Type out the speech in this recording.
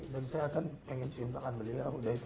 dan saya akan ingin cium tangan beliau